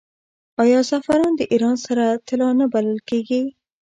آیا زعفران د ایران سره طلا نه بلل کیږي؟